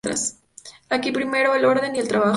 Aquí prima el orden y trabajo.